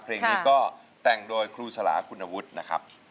เพลงนี้ก็แต่งโดยครูสลาคุณวุฒินะครับ